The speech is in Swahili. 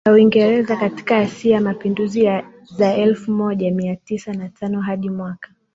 ya Uingereza katika AsiaMapinduzi za elfu moja mia tisa na tano hadi mwaka